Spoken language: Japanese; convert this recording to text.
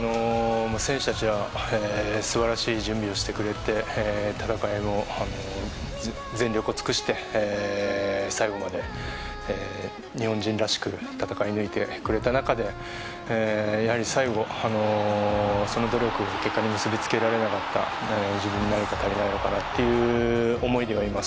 選手たちは素晴らしい準備をしてくれて戦いも全力を尽くして最後まで日本人らしく戦い抜いてくれた中でやはり最後、その努力を結果に結びつけられなかった自分の何か足りないのかなという思いでいます。